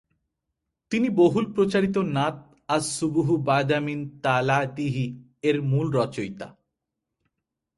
তিনি বহুল প্রচারিত নাত "আস-সুবুহু বাদা মিন তালা'আতিহি" এর মূল রচয়িতা।